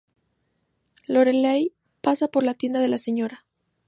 Lorelai pasa por la tienda de la Sra.